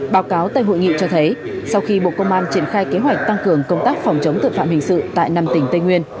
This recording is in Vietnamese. báo cáo tại hội nghị cho thấy sau khi bộ công an triển khai kế hoạch tăng cường công tác phòng chống tội phạm hình sự tại năm tỉnh tây nguyên